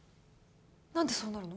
何でそうなるの？